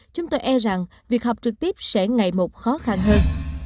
chúng tôi e rằng việc học trực tiếp sẽ ngày một khó khăn hơn